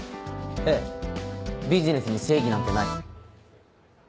ええビジネスに正義なんてない。